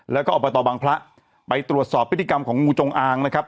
แล้วก็อบตบังพระไปตรวจสอบพฤติกรรมของงูจงอางนะครับ